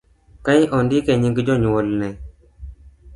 kae ondike nying' jonyuolne